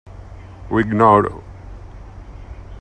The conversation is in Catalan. Ho ignoro.